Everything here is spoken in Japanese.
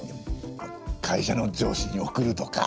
会社の上司に贈るとか？